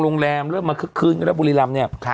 โรงแรมเริ่มมาคืนกันด้วยบุรีรำเนี่ย